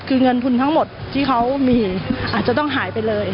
คือเงินทุนทั้งหมดที่เขามีอาจจะต้องหายไปเลย